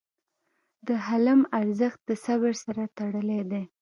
د حلم ارزښت د صبر سره تړلی دی.